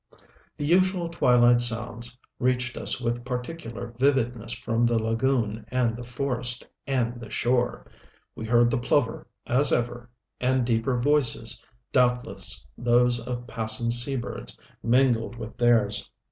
The usual twilight sounds reached us with particular vividness from the lagoon and the forest and the shore. We heard the plover, as ever; and deeper voices doubtless those of passing sea birds, mingled with theirs.